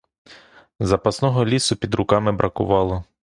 Запасного лісу під руками бракувало.